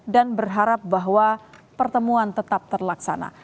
dan berharap bahwa pertemuan tetap terlaksana